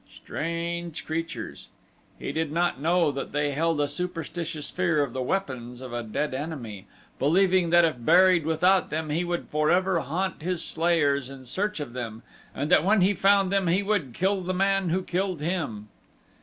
Strange creatures! He did not know that they held a superstitious fear of the weapons of a dead enemy, believing that if buried without them he would forever haunt his slayers in search of them and that when he found them he would kill the man who killed him.